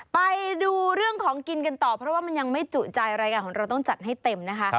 ไปดูเรื่องของกินกันต่อเพราะว่ามันยังไม่จุใจรายการของเราต้องจัดให้เต็มนะคะ